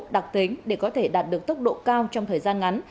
đặc tính để có thể đạt được tốc độ cao trong thời gian ngắn